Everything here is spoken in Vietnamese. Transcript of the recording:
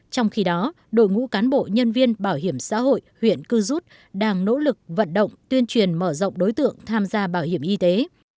trong khi đó đội ngũ cán bộ nhân viên bảo hiểm xã hội huyện cư rút đang nỗ lực vận động tuyên truyền mở rộng đối tượng tham gia bảo hiểm y tế